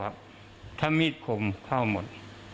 เข้าครับถ้ามีดคมเข้าหมด